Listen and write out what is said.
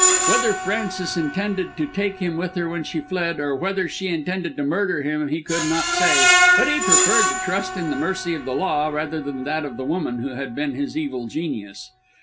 Whether Frances intended to take him with her when she fled, or whether she intended to murder him he could not say, but he preferred to trust in the mercy of the law rather than in that of the woman who had been his evil genius.